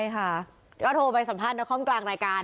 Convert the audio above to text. ก็โทรไปสัมภาษณ์นครกลางรายการ